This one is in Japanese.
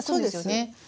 そうです。